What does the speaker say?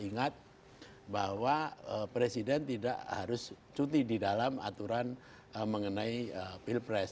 ingat bahwa presiden tidak harus cuti di dalam aturan mengenai pilpres